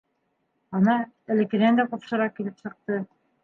- Ана, элеккенән дә ҡупшыраҡ килеп сыҡты.